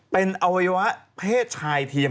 เป็นอวัยวะเพศชายเทียม